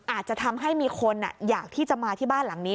อาจจะทำให้มีคนอยากที่จะมาที่บ้านหลังนี้